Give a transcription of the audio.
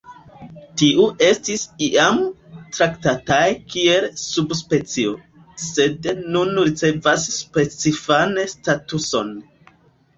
Tiu estis iam traktataj kiel subspecio, sed nun ricevas specifan statuson.